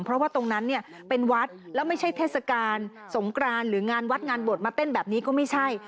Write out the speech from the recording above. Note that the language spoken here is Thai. เพราะว่าตรงนั้นเนี่ยเป็นวัดแล้วไม่ใช่เทศกาลสงกรานหรืองานวัดงานบวชมาเต้นแบบนี้ก็ไม่ใช่